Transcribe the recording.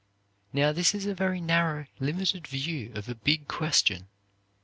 Now, this is a very narrow, limited view of a big question.